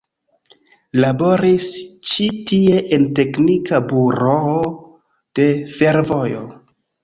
Laboris ĉi tie en teknika buroo de fervojo.